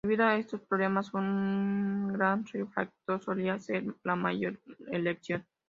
Debido a estos problemas, un gran refractor solía ser la mejor elección.